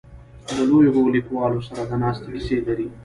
له لویو لیکوالو سره د ناستې کیسې لري.